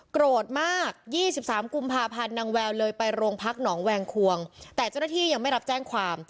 โกรธมาก๒๓กุมภาพันธ์นางแววเลยไปโรงพักหนองแวงควงแต่เจ้าหน้าที่ยังไม่รับแจ้งความ